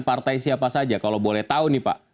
partai siapa saja kalau boleh tahu nih pak